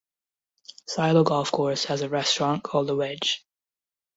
Silo Golf Course has a restaurant call the Wedge.